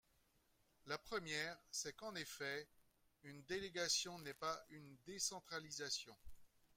La première, c’est qu’en effet, une délégation n’est pas une décentralisation.